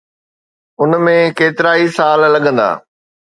ان ۾ ڪيترائي سال لڳندا.